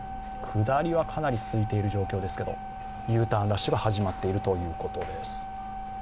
下りはかなりすいている状況ですけど、Ｕターンラッシュが始まっているということです。